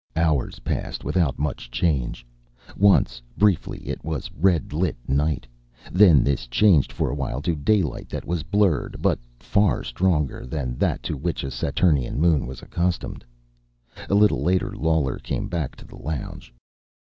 Hours passed without much change. Once, briefly, it was red lit night. Then this changed for a while to daylight that was blurred, but far stronger than that to which a Saturnine moon was accustomed. A little later Lawler came back to the lounge.